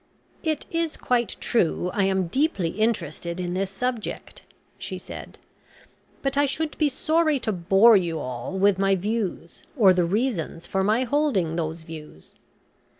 "It is quite true I am deeply interested in this subject," she said, "but I should be sorry to bore you all with my views, or the reasons for my holding those views.